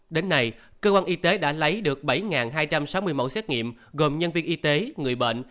đến nay cơ quan y tế đã lấy được bảy hai trăm sáu mươi mẫu xét nghiệm gồm nhân viên y tế người bệnh